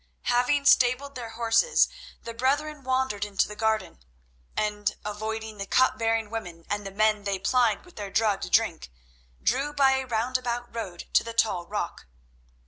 Having stabled their horses the brethren wandered into the garden, and, avoiding the cup bearing women and the men they plied with their drugged drink, drew by a roundabout road to the tall rock.